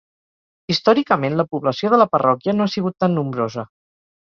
Històricament, la població de la parròquia no ha sigut tan nombrosa.